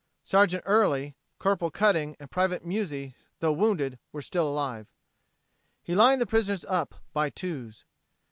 Sergeant Early, Corporal Cutting and Private Muzzi, tho wounded, were still alive. He lined the prisoners up "by twos."